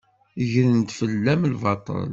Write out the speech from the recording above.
Gren-d fell-am lbaṭel.